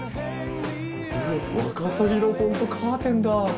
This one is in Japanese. ワカサギのホントカーテンだ。